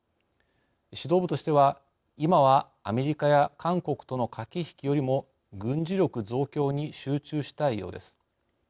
指導部としては今はアメリカや韓国との駆け引きよりも軍事力増強に集中したいようです。